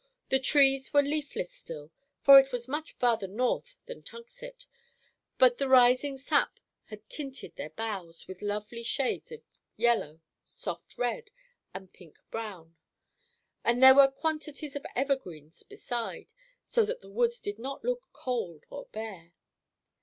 The trees were leafless still, for this was much farther north than Tunxet, but the rising sap had tinted their boughs with lovely shades of yellow, soft red, and pink brown, and there were quantities of evergreens beside, so that the woods did not look cold or bare.